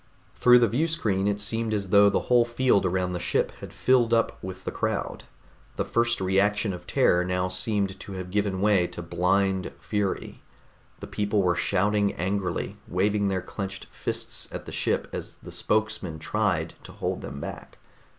Through the viewscreen it seemed as though the whole field around the ship had filled up with the crowd. The first reaction of terror now seemed to have given way to blind fury; the people were shouting angrily, waving their clenched fists at the ship as the spokesman tried to hold them back.